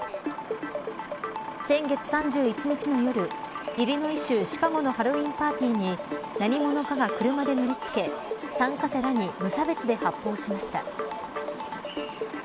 先月３１日の夜イリノイ州シカゴのハロウィーンパーティーに何者かが車で乗りつけ参加者らに無差別で発砲しました。